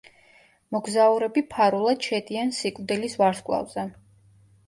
მოგზაურები ფარულად შედიან სიკვდილის ვარსკვლავზე.